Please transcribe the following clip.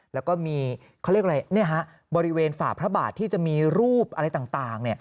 แล้วก็มีบริเวณฝ่าพระบาทที่จะมีรูปอะไรต่าง